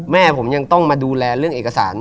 แม่ผมยังต้องมาดูแลเรื่องเอกสาร